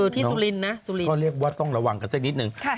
ที่สุรินนะคือพ่อเรียกว่าต้องระวังกันใส่นิดนึง